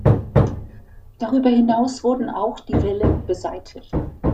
Darüber hinaus wurden auch die Wälle beseitigt.